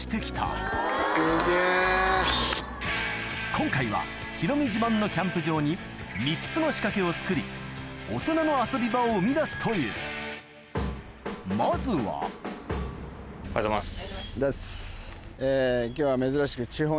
今回はヒロミ自慢のキャンプ場に３つの仕掛けを作り大人の遊び場を生み出すというまずはおはようございます。